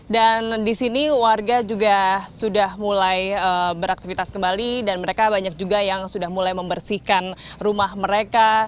dan di sini warga juga sudah mulai beraktivitas kembali dan mereka banyak juga yang sudah mulai membersihkan rumah mereka